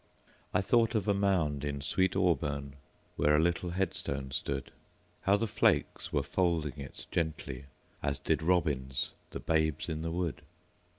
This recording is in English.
I thought of a mound in sweet AuburnWhere a little headstone stood; How the flakes were folding it gently, As did robins the babes in the wood.